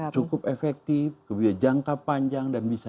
cukup efektif jangka panjang dan bisa